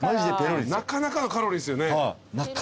なかなかのカロリーっすよね。